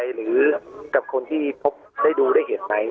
หรือกับคนที่พบได้ดูได้เห็นไหม